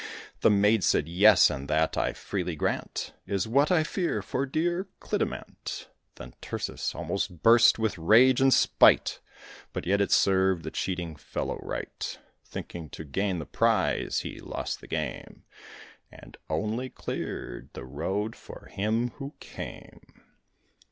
The maid said, "Yes, and that, I freely grant, Is what I feel for dear, dear Clidamant." Then Tircis almost burst with rage and spite; But yet it served the cheating fellow right. Thinking to gain the prize, he lost the game, And only cleared the road for him who came.